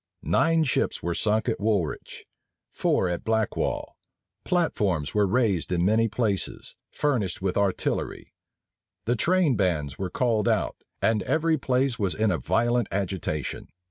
Nine ships were sunk at Woolwich, four at Blackwall: platforms were raised in many places, furnished with artillery; the train bands were called out, and every place was in a violent agitation.